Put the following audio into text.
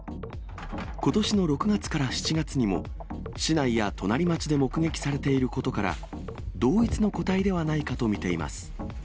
ことしの６月から７月にも、市内や隣町で目撃されていることから、同一の個体ではないかと見ています。